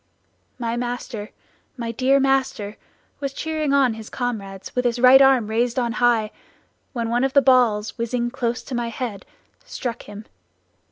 "My master, my dear master was cheering on his comrades with his right arm raised on high, when one of the balls whizzing close to my head struck him.